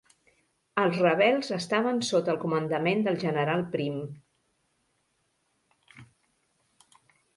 Els rebels estaven sota el comandament del general Primm.